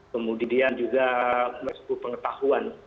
kemudian juga cukup pengetahuan untuk kemudian menghasilkan